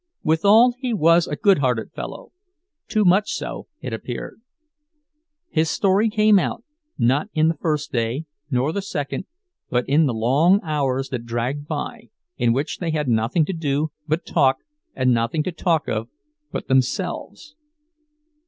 Withal he was a goodhearted fellow—too much so, it appeared. His story came out, not in the first day, nor the second, but in the long hours that dragged by, in which they had nothing to do but talk and nothing to talk of but themselves.